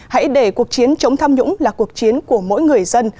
hãy để cuộc chiến chống tham nhũng là cuộc chiến của mỗi người dân